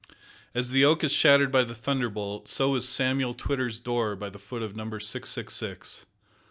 As the oak is shattered by the thunderbolt, so was Samuel Twitter's door by the foot of Number 666.